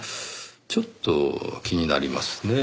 ちょっと気になりますねぇ。